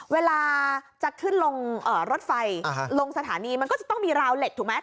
เวลาจะขึ้นลงรถไฟลงสถานีมันก็จะต้องมีราวเหล็กถูกไหม